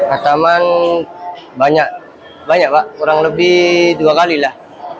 alhamdulillah banyak banyak pak kurang lebih dua kalilah